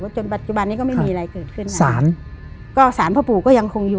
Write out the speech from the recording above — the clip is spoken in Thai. จนปัจจุบันนี้ก็ไม่มีอะไรเกิดขึ้นนะสารก็สารพ่อปู่ก็ยังคงอยู่